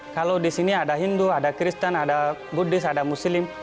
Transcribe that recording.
kalau di sini ada hindu ada kristen ada gooddis ada muslim